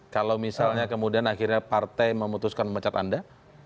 kalau misalnya kemudian akhirnya partai memutuskan memecat anda